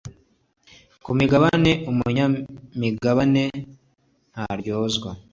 ku migabane umunyamigabane ntaryozwa